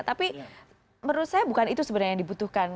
tapi menurut saya bukan itu sebenarnya yang dibutuhkan